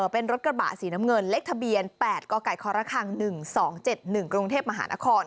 เป็นรถกระบะสีน้ำเงินเลขทะเบียน๘กค๑๒๗๑กรุงเทพมหานคร